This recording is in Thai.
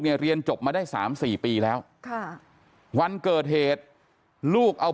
เนี่ยเรียนจบมาได้สามสี่ปีแล้วค่ะวันเกิดเหตุลูกเอา